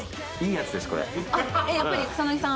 やっぱり草さん。